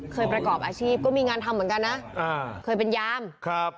ประกอบอาชีพก็มีงานทำเหมือนกันนะอ่าเคยเป็นยามครับ